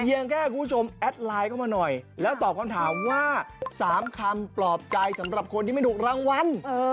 ยังแค่คุณผู้ชมแอดไลน์เข้ามาหน่อยแล้วตอบคำถามว่า๓คำปลอบใจสำหรับคนที่ไม่ถูกรางวัล